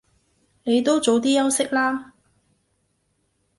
你都早啲休息啦